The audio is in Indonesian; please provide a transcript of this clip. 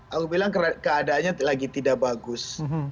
aku bilang keadaannya lagi tidak bagus